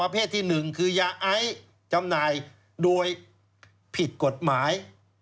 เพศที่๑คือยาไอจำหน่ายโดยผิดกฎหมาย